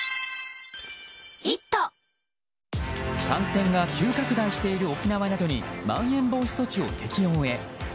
感染が急拡大している沖縄などにまん延防止措置を適用へ。